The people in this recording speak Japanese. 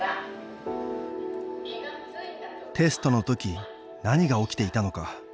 テストの時何が起きていたのか。